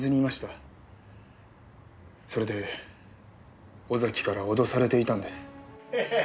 それで尾崎から脅されていたんです。